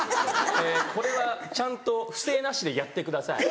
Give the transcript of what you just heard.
これはちゃんと不正なしでやってください。